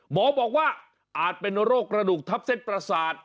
หมอบอกว่าอาจเป็นโรคกระดูกทับเส้นประสาท